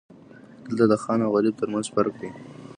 دلته د خان او غریب ترمنځ فرق نه و.